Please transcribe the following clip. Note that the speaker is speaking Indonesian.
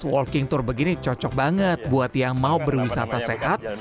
walking tour begini cocok banget buat yang mau berwisata sehat